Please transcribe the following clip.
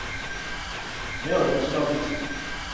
沒有人知道自己